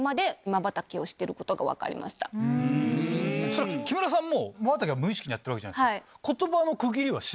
それは木村さんもまばたきは無意識にやってるじゃないですか。